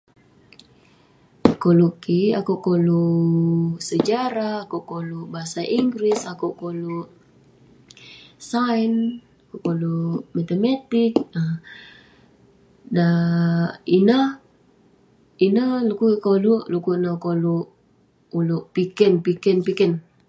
Koluk kik, akouk koluk sejarah, akouk koluk bahasa ingrish, akouk koluk sains, akouk koluk matematik. um ineh- ineh dukuk kolouk, dukuk kolouk, ulouk piken. Piken-piken.